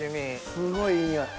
すごいいい匂い。